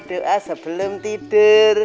doa sebelum tidur